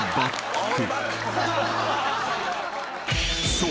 ［そう。